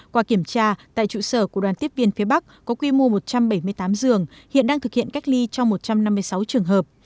qua kiểm tra tại trụ sở của đoàn tiếp viên phía bắc có quy mô một trăm bảy mươi tám giường hiện đang thực hiện cách ly trong một trăm năm mươi sáu trường hợp